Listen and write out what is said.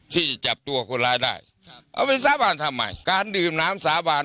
ที่จะจับตัวคนร้ายได้เอาไปสาบานทำไมการดื่มน้ำสาบาน